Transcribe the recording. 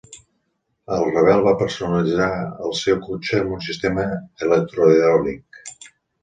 El rebel va personalitzar el seu cotxe amb un sistema electrohidràulic.